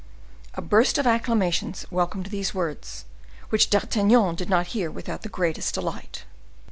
A burst of acclamations welcomed these words, which D'Artagnan did not hear without the greatest delight.